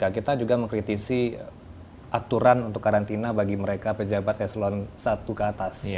saya mau mengkritisi aturan untuk karantina bagi mereka pejabat yang selalu satu ke atas